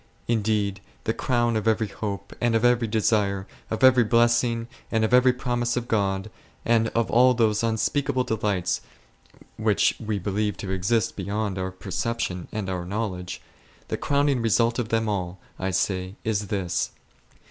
Indeed, the crown of every hope, and of every desire, of every blessing, and of every promise of God, and of all those unspeakable delights which we believe to exist beyond our perception and our know ledge,— the crowning result of them all, I say, is this.